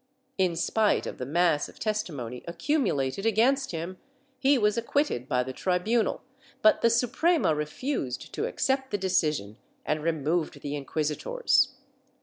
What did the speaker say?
In spite of the mass of testimony accumulated against him, he was acquitted by the tribunal, but the Suprema refused to accept the decision and removed the inqui sitors.